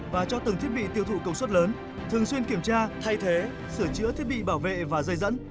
và cho từng thiết bị tiêu thụ công suất lớn thường xuyên kiểm tra thay thế sửa chữa thiết bị bảo vệ và dây dẫn